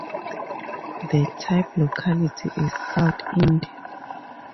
The type locality is South India.